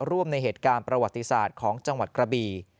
ร่วมในเหตุการณ์ประวัติศาสตร์ของจังหวัดกระบี